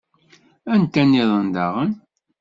Anta nniḍen daɣen?